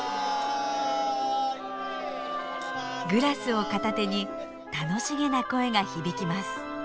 グラスを片手に楽しげな声が響きます。